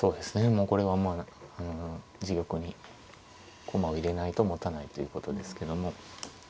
もうこれは自玉に駒を入れないともたないということですけども。